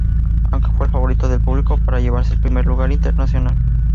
Aunque fue el favorito del público para llevarse el primer lugar internacional.